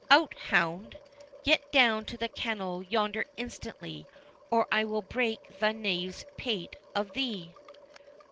—Out, hound!—get down to the kennel yonder instantly, or I will break the knave's pate of thee."